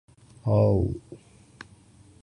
Alh.